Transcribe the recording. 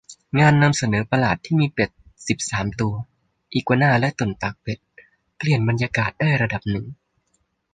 งานนำเสนอประหลาดที่มีเป็ดสิบสามตัว อีกัวน่า และตุ่นปากเป็ด เปลี่ยนบรรยากาศได้ระดับหนึ่ง